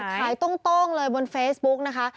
ระกาศขายโต้งเลยบนเฟซบุ๊คนะคะ